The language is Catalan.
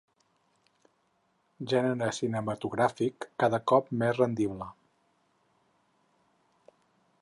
Gènere cinematogràfic cada cop més rendible.